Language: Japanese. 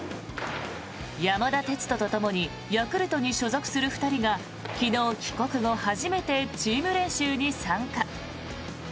山田哲人ともにヤクルトに所属する２人が昨日、帰国後初めてチーム練習に参加。